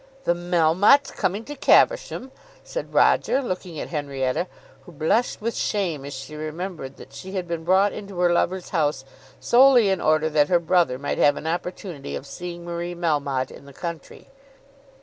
"The Melmottes coming to Caversham!" said Roger, looking at Henrietta, who blushed with shame as she remembered that she had been brought into her lover's house solely in order that her brother might have an opportunity of seeing Marie Melmotte in the country.